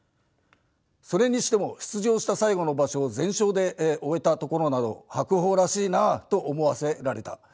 それにしても出場した最後の場所を全勝で終えたところなど白鵬らしいなあと思わせられた。